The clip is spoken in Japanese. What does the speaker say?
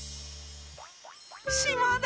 しまだ！